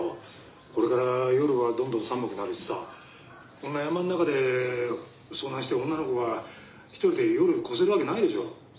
これから夜はどんどん寒くなるしさこんな山ん中で遭難して女の子が一人で夜越せるわけないでしょ。